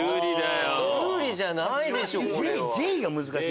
有利じゃないでしょ。